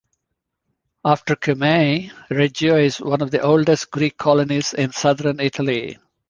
After Cumae, Reggio is one of the oldest Greek colonies in southern Italy.